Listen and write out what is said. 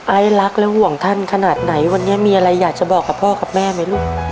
รักและห่วงท่านขนาดไหนวันนี้มีอะไรอยากจะบอกกับพ่อกับแม่ไหมลูก